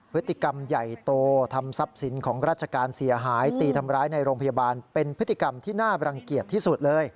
พฤติกรรมใหญ่โตทำทรัพย์สินของราชการเสียหายตีทำร้ายในโรงพยาบาลเป็นพฤติกรรมที่น่าบรังเกียจที่สุดเลย